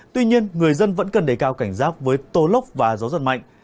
tuy nhiên người dân vẫn cần đề cao cảnh giác với tô lốc và gió giật mạnh